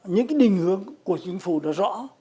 những cái định hướng của chính phủ đã rõ